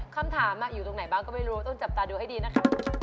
คำถามอยู่ตรงไหนบ้างก็ไม่รู้ต้องจับตาดูให้ดีนะคะ